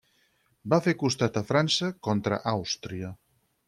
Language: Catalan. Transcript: Va fer costat a França contra Àustria.